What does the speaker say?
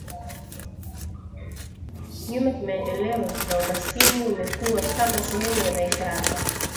nyuma kimaendeleo na umaskini umekuwa kama sehemu ya maisha hapa